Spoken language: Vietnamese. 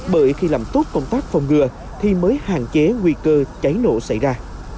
bởi khi làm tốt công tác phòng ngừa thì mới hạn chế nguy cơ cháy nổ xảy ra